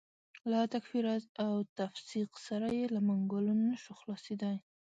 له تکفیر او تفسیق سره یې له منګولو نه شو خلاصېدای.